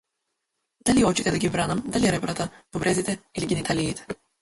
Дали очите да ги бранам, дали ребрата, бубрезите или гениталиите?